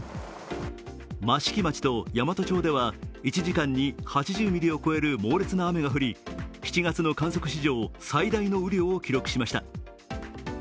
益城町と山都町では１時間に８０ミリを超える猛烈な雨が降り７月の観測史上最大の雨量を記録しました。